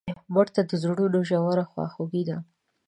مړه ته د زړونو ژوره خواخوږي ده